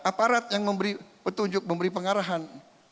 aparat yang memberi petunjuk memberi pengarahan